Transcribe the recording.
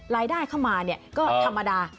รายได้เข้ามาก็ธรรมดา